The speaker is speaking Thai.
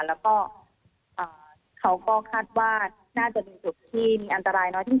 แล้วก็เขาก็คาดว่าน่าจะเป็นจุดที่มีอันตรายน้อยที่สุด